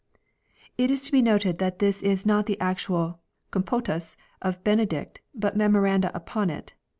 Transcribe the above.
It is to be noted that this is not the actual " Compotus " of Benedict but Memoranda upon it.